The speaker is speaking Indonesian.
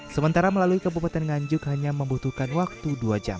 sementara melalui kabupaten nganjuk hanya membutuhkan waktu dua jam